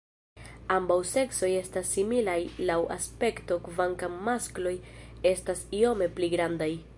Ambaŭ seksoj estas similaj laŭ aspekto kvankam maskloj estas iome pli grandaj.